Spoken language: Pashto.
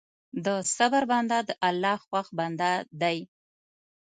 د صبر بنده د الله خوښ بنده دی.